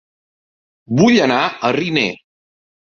Vull anar a Riner